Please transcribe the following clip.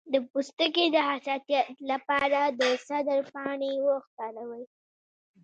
د پوستکي د حساسیت لپاره د سدر پاڼې وکاروئ